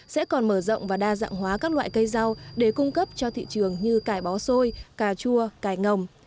sẽ còn mở rộng và đa dạng hóa các loại cây rau để cung cấp cho thị trường như cải bó xôi cà chua cài ngồng